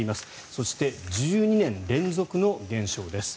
そして１２年連続の減少です。